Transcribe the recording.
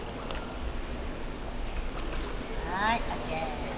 はいＯＫ。